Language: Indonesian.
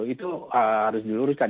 itu harus diluruskan